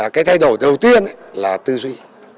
cái thay đổi đầu tiên là tư duy